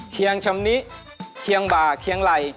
ชำนิเคียงบ่าเคียงไหล่